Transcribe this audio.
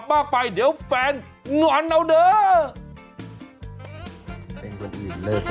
อยากตายเหรออยากตายเหรอคุณพุทธอ่ะ